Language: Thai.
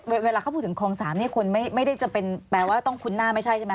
เวลาเขาพูดถึงคลอง๓นี่คนไม่ได้จะเป็นแปลว่าต้องคุ้นหน้าไม่ใช่ใช่ไหม